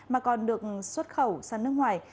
mà còn được xuất khẩu sang nước ngoài